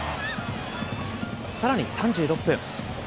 さらに３６分。